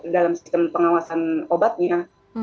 dalam sistem pengawasan obatnya